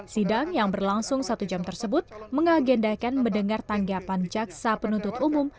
sidang yang berlangsung satu jam tersebut mengagendakan mendengar tanggapan jaksa penuntut umum